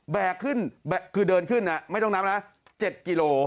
ขึ้นคือเดินขึ้นไม่ต้องนับนะ๗กิโล